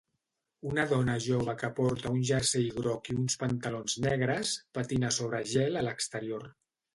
Una dona jove que porta un jersei groc i uns pantalons negres patina sobre gel a l'exterior.